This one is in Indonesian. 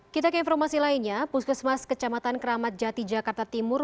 kita ke informasi lainnya puskesmas kecamatan keramat jati jakarta timur